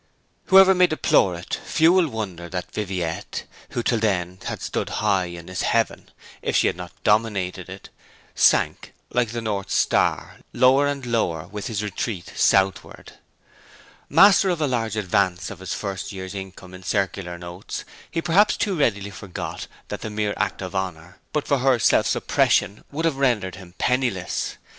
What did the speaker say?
Whoever may deplore it few will wonder that Viviette, who till then had stood high in his heaven, if she had not dominated it, sank, like the North Star, lower and lower with his retreat southward. Master of a large advance of his first year's income in circular notes, he perhaps too readily forgot that the mere act of honour, but for her self suppression, would have rendered him penniless.